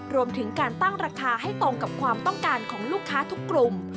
รวมถึงการตั้งราคาให้ตรงกับความต้องการของลูกค้าทุกกลุ่ม